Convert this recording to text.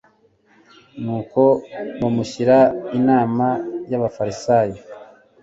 Nuko bamushyira inama y'abafarisayo.